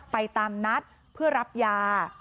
ไปตามนัดเพื่อรับยา